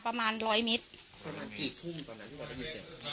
ประมาณร้อยมิตรประมาณกี่ทุ่มตอนแรก